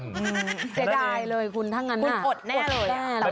จะได้เลยคุณทั้งงั้นคุณอดแน่เลย